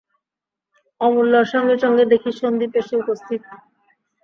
অমূল্যর সঙ্গে সঙ্গে দেখি সন্দীপ এসে উপস্থিত।